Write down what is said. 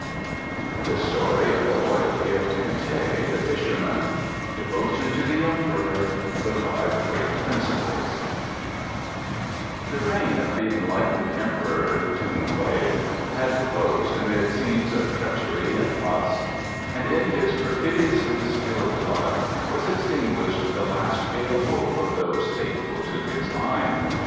The Story of the Loyalty of Ten teh, the Fisherman "Devotion to the Emperor " The Five Great Principles The reign of the enlightened Emperor Tung Kwei had closed amid scenes of treachery and lust, and in his perfidiously spilled blood was extinguished the last pale hope of those faithful to his line.